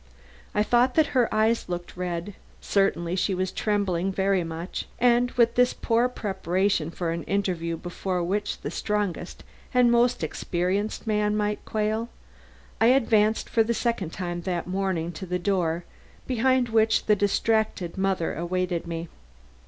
I thought that her eyes looked red; certainly she was trembling very much; and with this poor preparation for an interview before which the strongest and most experienced man might quail, I advanced for the second time that morning to the door behind which the distracted mother awaited me.